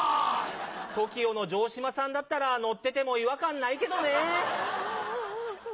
ＴＯＫＩＯの城島さんだったら乗ってても違和感ないけどね。